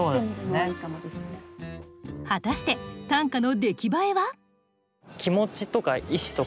果たして短歌の出来栄えは？